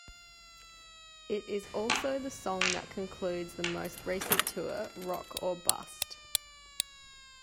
It is also the song that concludes the most recent tour, Rock or Bust.